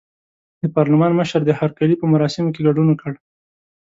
د پارلمان مشر د هرکلي په مراسمو کې ګډون وکړ.